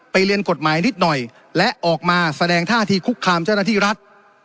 เรียนกฎหมายนิดหน่อยและออกมาแสดงท่าที่คุกคามเจ้าหน้าที่รัฐ